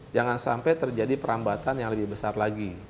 jangan sampai terjadi perambatan yang lebih besar lagi